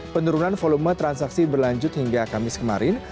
penurunan volume transaksi berlanjut hingga kamis kemarin